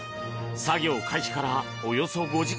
作業開始から、およそ５時間。